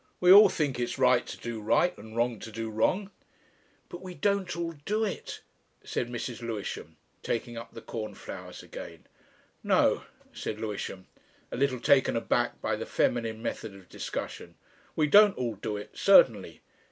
"We all think it's right to do right and wrong to do wrong." "But we don't all do it," said Mrs. Lewisham, taking up the cornflowers again. "No," said Lewisham, a little taken aback by the feminine method of discussion. "We don't all do it certainly."